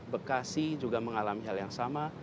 bekasi juga mengalami hal yang sama